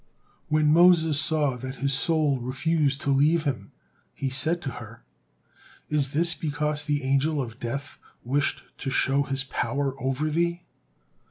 When Moses saw that his soul refused to leave him, he said to her: "Is this because the Angel of Death wished to show his power over thee?"